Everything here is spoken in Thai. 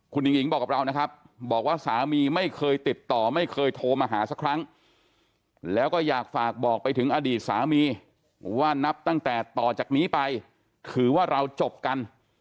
คุณหญิงบอกกับเรานะครับบอกว่าสามีไม่เคยติดต่อไม่เคยโทรมาหาสักครั้งแล้วก็อยากฝากบอกไปถึงอดีตสามีว่านับตั้งแต่ต่อจากนี้ไปถือว่าเราจบกัน